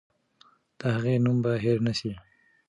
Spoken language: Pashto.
د هغې نوم به هېر نه سي.